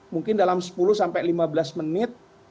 mungkin dalam sepuluh sampai lima belas menit